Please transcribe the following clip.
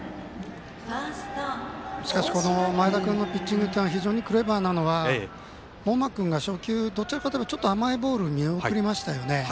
前田君のピッチングが非常にクレバーなのは、門間君が初球どちらかといえば、ちょっと甘いボール見送りましたよね。